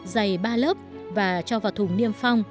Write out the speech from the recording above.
dày ba lớp và cho vào thùng niêm phong